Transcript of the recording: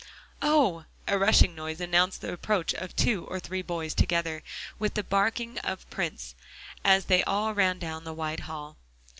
"Oh!" A rushing noise announced the approach of two or three boys, together with the barking of Prince, as they all ran down the wide hall.